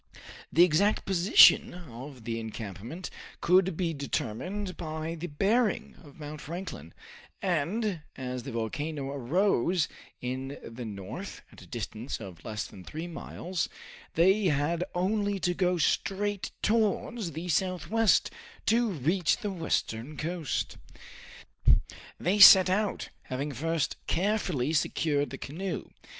The exact position of the encampment could be determined by the bearing of Mount Franklin, and as the volcano arose in the north at a distance of less than three miles, they had only to go straight towards the southwest to reach the western coast. They set out, having first carefully secured the canoe.